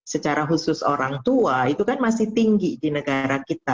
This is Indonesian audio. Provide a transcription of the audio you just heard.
secara khusus orang tua itu kan masih tinggi di negara kita